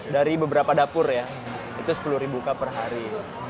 dari beberapa dapur ya itu sepuluh cup per hari